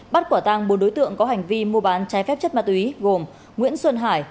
bắt quả tăng bốn đối tượng có hành vi mua bán trái phép chất ma túy gồm nguyễn xuân hải